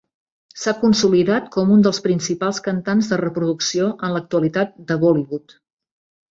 S'ha consolidat com un dels principals cantants de reproducció en l'actualitat de Bollywood.